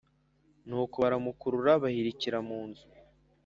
ni uko barakurura bahirikira mu nzu.